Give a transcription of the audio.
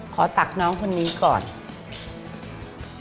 ขอตักน้องคนนี้ก่อนนะคะ